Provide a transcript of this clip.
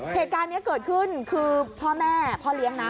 เหตุการณ์นี้เกิดขึ้นคือพ่อแม่พ่อเลี้ยงนะ